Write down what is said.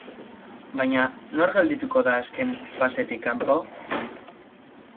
Baina, nor geldituko da azken fasetik kanpo?